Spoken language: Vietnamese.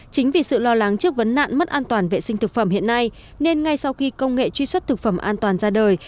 chính vì sự lo lắng trước vấn nạn mất an toàn vệ sinh thực phẩm hiện nay